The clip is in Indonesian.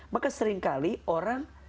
maka seringkali orang